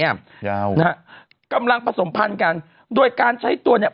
ยาวนะฮะกำลังผสมพันธุ์กันโดยการใช้ตัวเนี้ย